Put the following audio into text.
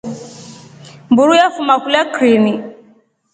Mburu safuma kulya krini.